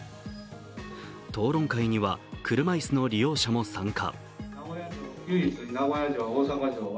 討論会には車いすの利用者も参加。